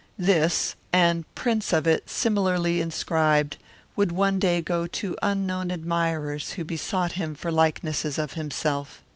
This, and prints of it similarly inscribed, would one day go to unknown admirers who besought him for likenesses of himself.